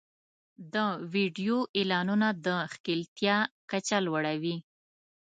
د ویډیو اعلانونه د ښکېلتیا کچه لوړوي.